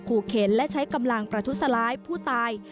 เข็นและใช้กำลังประทุษร้ายผู้ตาย